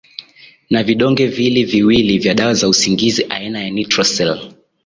na vidonge vili viwili vya dawa za usingizi aina ya nitrocel